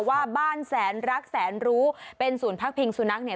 ว่าบ้านแสนรักแสนรู้เป็นศูนย์พักพิงสุนัขเนี่ย